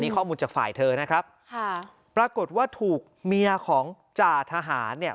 ข้อมูลจากฝ่ายเธอนะครับค่ะปรากฏว่าถูกเมียของจ่าทหารเนี่ย